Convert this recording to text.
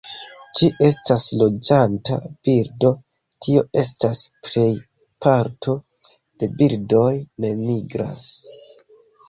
Ĝi estas loĝanta birdo, tio estas, plej parto de birdoj ne migras.